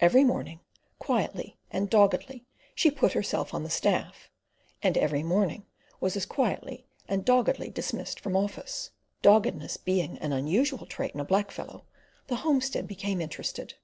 Every morning, quietly and doggedly, she put herself on the staff, and every morning was as quietly and doggedly dismissed from office. Doggedness being an unusual trait in a black fellow, the homestead became interested.